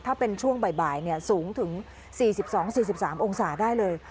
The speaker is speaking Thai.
ถ้าเป็นช่วงบ่ายสูงถึง๔๒๔๓องศาได้เลย